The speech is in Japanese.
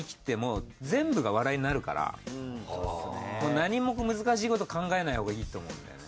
何も難しいこと考えないほうがいいと思うんだよね。